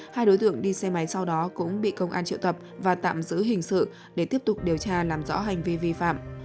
hai đối tượng đi xe máy sau đó cũng bị công an triệu tập và tạm giữ hình sự để tiếp tục điều tra làm rõ hành vi vi phạm